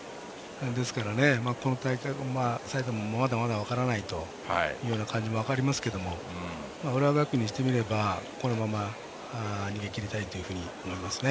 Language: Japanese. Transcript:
この大会、埼玉もまだまだ分からないという感じもありますが浦和学院にしてみればこのまま逃げきりたいと思います。